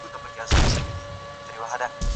څنګه انلاين زده کړه د وخت سپما کوي؟